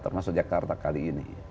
termasuk jakarta kali ini